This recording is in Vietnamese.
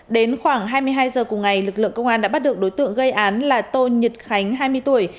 đến khoảng hai mươi hai h cùng ngày lực lượng công an đã bắt được đối tượng gây án là tô nhật khánh hai mươi tuổi